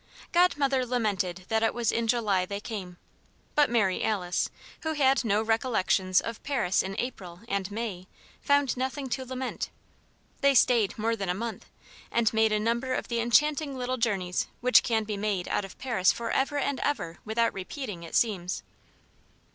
Godmother lamented that it was in July they came; but Mary Alice, who had no recollections of Paris in April and May, found nothing to lament. They stayed more than a month and made a number of the enchanting little journeys which can be made out of Paris forever and ever without repeating, it seems.